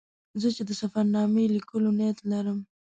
زه چې د سفر نامې لیکلو نیت لرم.